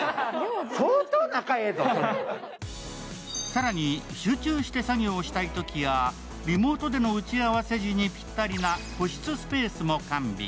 更に集中して作業したいときやリモートでの打ち合わせ時にぴったりな個室スペースも完備。